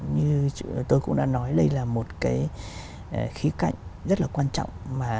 như tôi cũng đã nói đây là một cái khí cạnh rất là quan trọng